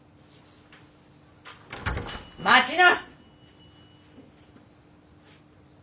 待ちな！